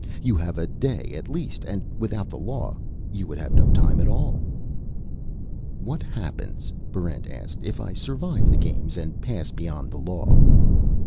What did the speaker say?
You have a day at least; and without the law, you would have no time at all." "What happens," Barrent asked, "if I survive the Games and pass beyond the law?"